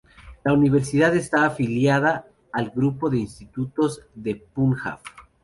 La universidad está afiliada al Grupo de institutos de Punjab.